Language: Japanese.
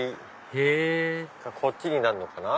へぇこっちになるのかな。